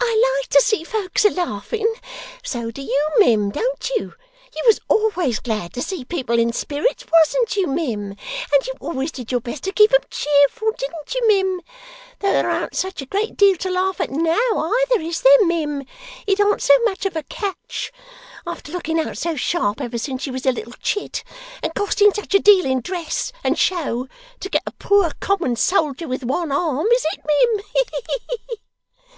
'I like to see folks a laughing so do you, mim, don't you? You was always glad to see people in spirits, wasn't you, mim? And you always did your best to keep 'em cheerful, didn't you, mim? Though there an't such a great deal to laugh at now either; is there, mim? It an't so much of a catch, after looking out so sharp ever since she was a little chit, and costing such a deal in dress and show, to get a poor, common soldier, with one arm, is it, mim? He he!